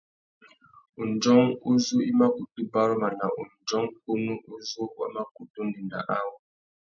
Undjông uzu i mà kutu baruma nà undjông kunú uzu wa mà kutu ndénda awô.